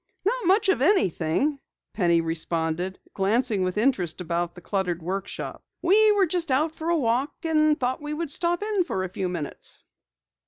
"Not much of anything," Penny responded, glancing with interest about the cluttered workshop. "We were just out for a walk and thought we would stop in for a few minutes."